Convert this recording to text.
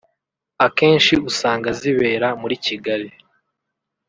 akenshi usanga zibera muri Kigali